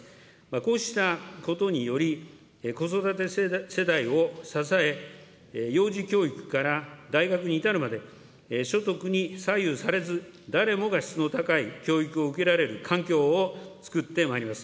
こうしたことにより、子育て世代を支え、幼児教育から大学に至るまで、所得に左右されず、誰もが質の高い教育を受けられる環境をつくってまいります。